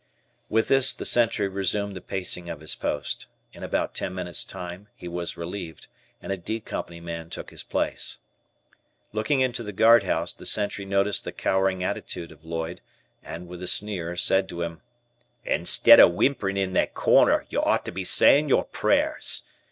With this, the sentry resumed the pacing of his post. In about ten minutes' time he was relieved, and a "D" Company man took his place. Looking into the guardhouse, the sentry noticed the cowering attitude of Lloyd, and, with a sneer, said to him: "Instead of whimpering in that corner, you ought to be saying your prayers.